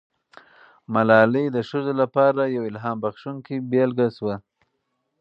ملالۍ د ښځو لپاره یوه الهام بښونکې بیلګه سوه.